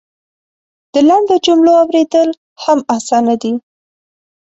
د لنډو جملو اورېدل هم اسانه دی.